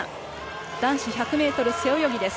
男子１００ｍ背泳ぎです。